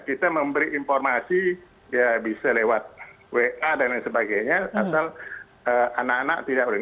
kita memberi informasi ya bisa lewat wa dan lain sebagainya asal anak anak tidak boleh